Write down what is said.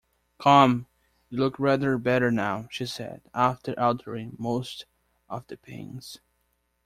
‘Come, you look rather better now!’ she said, after altering most of the pins.